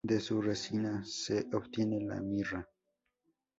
De su resina se obtiene la mirra.